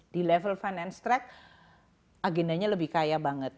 di level finance track agendanya lebih kaya banget